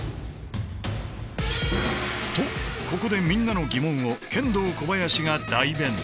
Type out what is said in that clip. とここでみんなの疑問をケンドーコバヤシが代弁。